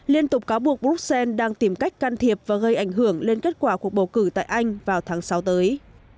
liên tục cáo buộc bruxelles đang tìm cách can thiệp và gây ảnh hưởng lên kết quả cuộc bầu cử tại anh vào tháng sáu tới